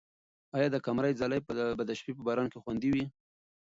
آیا د قمرۍ ځالۍ به د شپې په باران کې خوندي وي؟